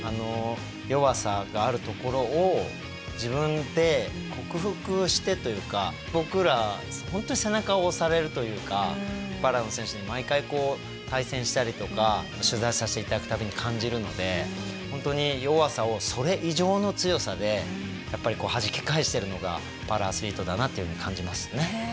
弱さがあるところを自分で克服してというか僕らほんとに背中を押されるというかパラの選手に毎回対戦したりとか取材させて頂く度に感じるのでほんとに弱さをそれ以上の強さでやっぱりはじき返してるのがパラアスリートだなっていうふうに感じますね。